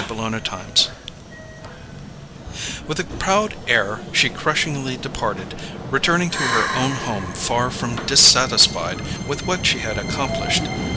CHAPTER SIXTEEN With a proud air she crushingly departed, returning to her own home far from dissatisfied with what she had accomplished.